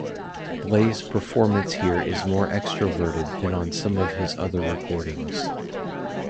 Bley's performance here is more extroverted than on some of his other recordings.